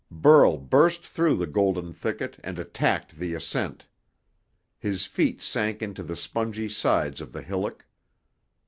Burl burst through the golden thicket and attacked the ascent. His feet sank into the spongy sides of the hillock.